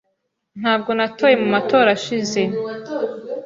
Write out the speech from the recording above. Ntabwo natoye mu matora ashize.